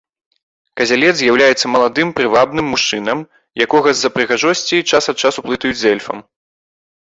Казялец з'яўляецца маладым прывабным мужчынам, якога з-за прыгажосці час ад часу блытаюць з эльфам.